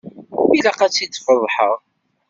Ilaq ad tt-idfeḍḥeɣ.